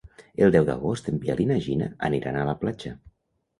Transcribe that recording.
El deu d'agost en Biel i na Gina aniran a la platja.